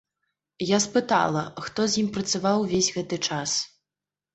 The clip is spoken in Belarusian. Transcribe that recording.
Я спытала, хто з ім працаваў увесь гэты час.